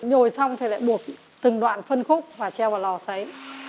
nhồi xong thì lại buộc từng đoạn phân khúc và treo vào lò xấy